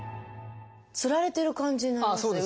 つられてる感じになりますね